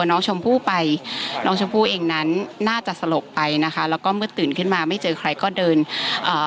น้องชมพู่ไปน้องชมพู่เองนั้นน่าจะสลบไปนะคะแล้วก็เมื่อตื่นขึ้นมาไม่เจอใครก็เดินอ่า